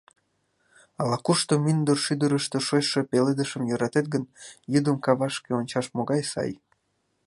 Ала-кушто мӱндыр шӱдырыштӧ шочшо пеледышым йӧратет гын, йӱдым кавашке ончаш могай сай.